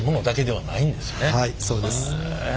はいそうです。